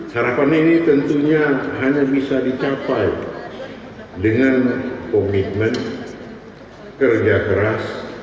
harapan ini tentunya hanya bisa dicapai dengan komitmen kerja keras